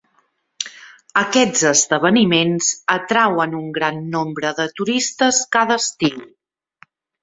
Aquests esdeveniments atrauen un gran nombre de turistes cada estiu.